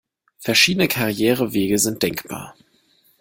Verschiedene Karrierewege sind denkbar.